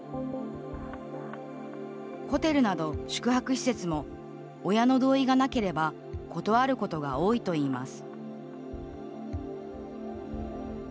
ホテルなど宿泊施設も親の同意がなければ断ることが多いといいます